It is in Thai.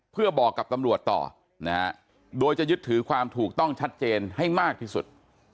เพื่อบอกกับตำรวจต่อนะฮะโดยจะยึดถือความถูกต้องชัดเจนให้มากที่สุด